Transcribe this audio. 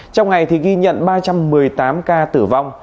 trong ngày ghi nhận ba trăm một mươi tám ca tử vong